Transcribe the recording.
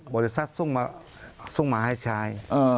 บริษัทส่งมาให้ใช้